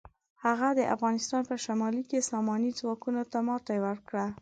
هغه د افغانستان په شمالي کې ساماني ځواکونو ته ماتې ورکړه.